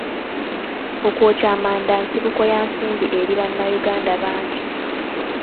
Okwokya amanda nsibuko ya nsimbi eri bannayuganda bangi.